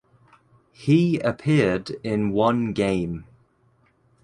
He appeared in one game.